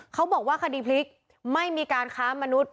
เขาบอกว่าคดีพลิกไม่มีการค้ามนุษย์